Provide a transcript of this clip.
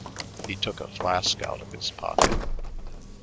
He took a flask out of his pocket.